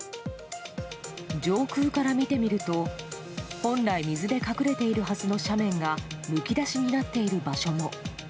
上空から見てみると、本来水で隠れているはずの斜面がむき出しになっている場所も。